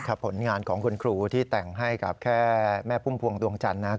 ผลงานของคุณครูที่แต่งให้กับแค่แม่พุ่มพวงดวงจันทร์นะครับ